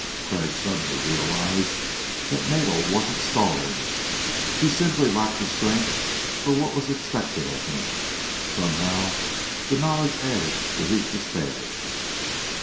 Crag suddenly realized that Nagel wasn't stalling; he simply lacked the strength for what was expected of him. Somehow the knowledge added to his despair.